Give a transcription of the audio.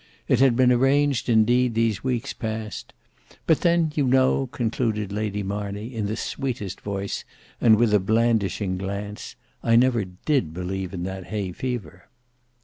It had been arranged indeed these weeks past; "but then, you know," concluded Lady Marney in the sweetest voice and with a blandishing glance, "I never did believe in that hay fever."